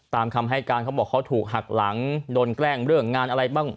ตามคำให้การเขาบอกเขาถูกหักหลังโดนแกล้งเรื่องงานอะไรบ้าง